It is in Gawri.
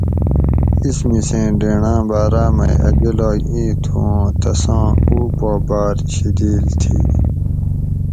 اِس مِسیں ڈینڑاٞں باٞراٞ مئ اٞ جولاگ اِیں تھُو اُوں تساں اُو پا باٞر شِدیل تھی